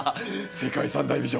世界三大美女。